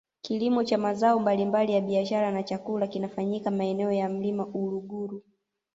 kilimo cha mazao mbalimbali ya biashara na chakula kinafanyika maeneo ya mlima uluguru